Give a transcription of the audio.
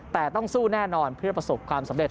แต่ต้องสู้แน่นอนเพื่อประสบความสำเร็